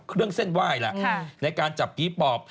เครื่องเส้นไหว้ล่ะในการจับผีปอบ